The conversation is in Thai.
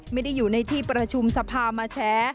ไม่ได้อยู่ในที่ประชุมสภามาแชร์